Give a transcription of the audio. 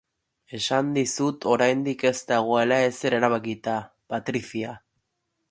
Esan dizut oraindik ez dagoela ezer erabakita, Patricia.